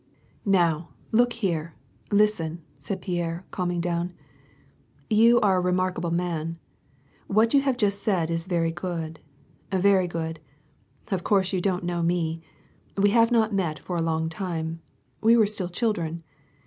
"Now, look here, listen," said Pierre, calming down. "You are a remarkable man. What you have just said is very good, very good. Of course you don't know me. We have not met for a long time — we were still children.